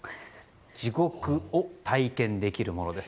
地獄を体験できるものです。